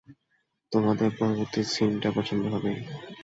তোমাদের পরবর্তী সিনটা পছন্দ হবেই।